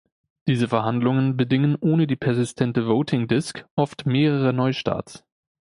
Diese Verhandlungen bedingen ohne die persistente Voting Disk oft mehrere Neustarts.